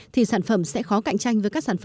thì sản phẩm sẽ khó cạnh tranh